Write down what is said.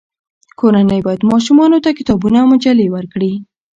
کورنۍ باید ماشومانو ته کتابونه او مجلې ورکړي.